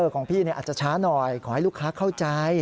ของพี่อาจจะช้าหน่อยขอให้ลูกค้าเข้าใจ